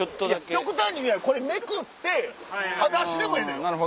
極端に言えばこれめくってはだしでもええのよ。